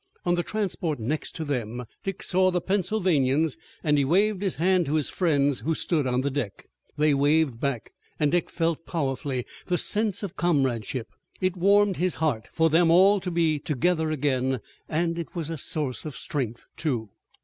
On the transport next to them Dick saw the Pennsylvanians and he waved his hand to his friends who stood on the deck. They waved back, and Dick felt powerfully the sense of comradeship. It warmed his heart for them all to be together again, and it was a source of strength, too.